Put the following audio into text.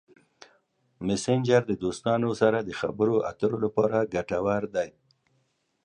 مسېنجر د دوستانو سره د خبرو اترو لپاره ګټور دی.